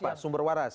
apa sumber waras